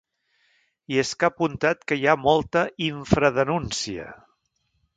I és que ha apuntat que hi ha molta “infradenúncia”.